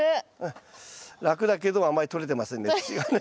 楽だけどあまり取れてませんね